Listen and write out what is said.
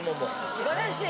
素晴らしい！